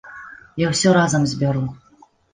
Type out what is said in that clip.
Я ўсё разам збяру.